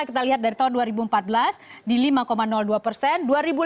kita lihat dari tahun dua ribu empat belas di lima dua persen